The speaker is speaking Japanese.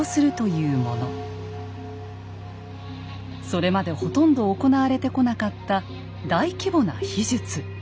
それまでほとんど行われてこなかった大規模な秘術。